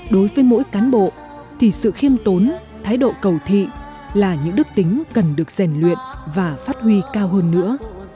đối với mỗi cán bộ thì sự khiêm tốn thái độ cầu thị là những đức tính cần được rèn luyện và phát huy cao hơn nữa